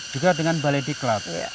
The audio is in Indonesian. juga dengan baledi club